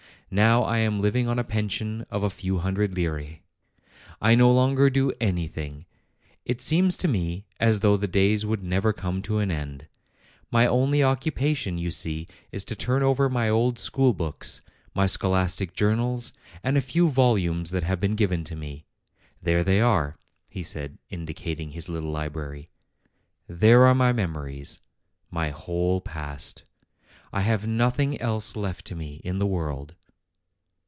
Now I am living on a pension of a few hundred lire. I no longer do anything; it seems to me as though the days would never come to an end. My only occupa tion, you see, is to turn over my old schoolbooks, my scholastic journals, and a few volumes that have been given to me. There they are," he said, indicating his little library; "there are my memories, my whole past; I have nothing else left to me in the world."